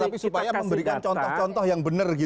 tapi supaya memberikan contoh contoh yang benar gitu